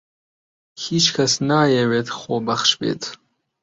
هیچ کەس نایەوێت خۆبەخش بێت.